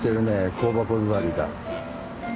香箱座りだ。